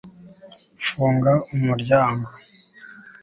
funga umuryango